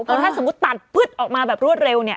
เพราะถ้าสมมุติตัดพึดออกมาแบบรวดเร็วเนี่ย